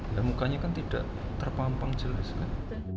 ya mukanya kan tidak terpampang jelas kan